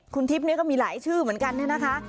คุณทิพย์นี่ก็มีหลายชื่อเหมือนกันเนี่ยนะคะ